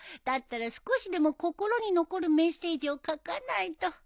だったら少しでも心に残るメッセージを書かないと。